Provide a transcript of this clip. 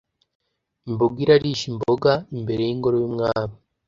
imbogo irarisha imboga imbere y’ingoro y’umwami.